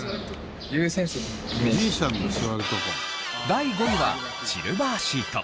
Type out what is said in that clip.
第５位はシルバーシート。